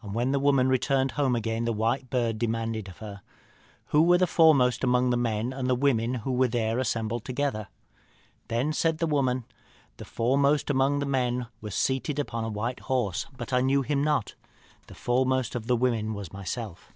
"And when the woman returned home again the white bird demanded of her, 'Who were the foremost among the men and the women who were there assembled together?' Then said the woman, 'The foremost among the men was seated upon a white horse, but I knew him not. The foremost of the women was myself.'